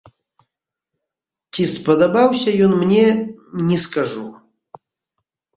Ці спадабаўся ён мне, не скажу.